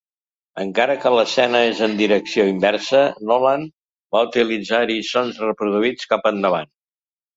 Encara que l'escena és en direcció inversa, Nolan va utilitzar-hi sons reproduïts cap endavant.